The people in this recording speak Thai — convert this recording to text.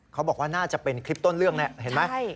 เขาบอกว่าน่าจะเป็นคลิปต้นเรื่องเนี่ยเห็นไหม